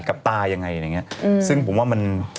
กับตายังไงอย่างนี้ซึ่งผมว่ามัน